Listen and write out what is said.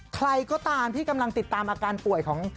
ใครก็ตามที่กำลังติดตามอาการป่วยของ